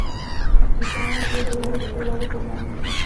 Este plan aún no ha sido aprobado formalmente.